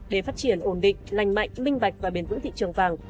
để phát triển ổn định lành mạnh minh bạch và bền vững thị trường vàng